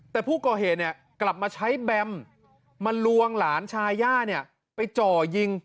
แต่ผู้ก่อเหตุเนี่ยกลับมาใช้แบมมาลวงหลานชายย่าเนี่ยไปจ่อยิง